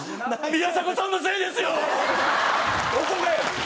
宮迫さんのせいですよ！